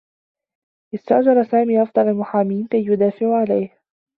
استأجر سامي أفضل المحامين كي يدافعوا عليه.